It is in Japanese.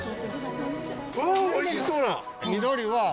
うわおいしそうな。